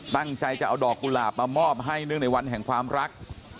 ตั้งใจจะเอาดอกกุหลาบมามอบให้เนื่องในวันแห่งความรัก